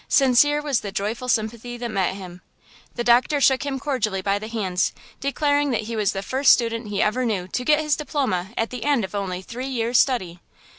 Sincere was the joyful sympathy that met him. The doctor shook him cordially by the hands, declaring that he was the first student he ever knew to get his diploma at the end of only three years' study.